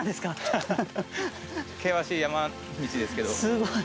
すごい。